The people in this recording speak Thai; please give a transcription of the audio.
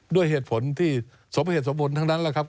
ด้วยเหตุผลที่สมเหตุสมบูรณทั้งนั้นแหละครับ